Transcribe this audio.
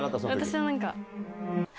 私は何か。